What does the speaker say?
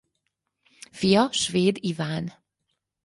Fia Svéd Iván.